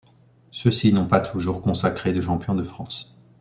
Ceux-ci n'ont pas toujours consacré de champions de France.